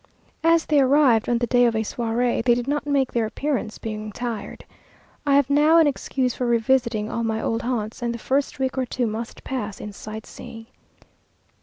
As they arrived on the day of a soirée, they did not make their appearance, being tired. I have now an excuse for revisiting all my old haunts, and the first week or two must pass in sight seeing.